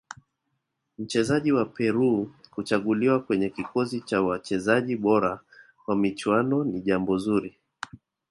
mchezaji wa peru kuchaguliwa kwenye kikosi cha wachezaji bora wa michuano ni jambo zuri